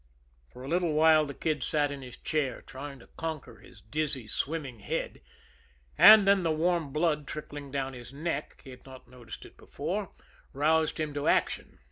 For a little while the Kid sat in his chair, trying to conquer his dizzy, swimming head; and then the warm blood trickling down his neck he had not noticed it before roused him to action.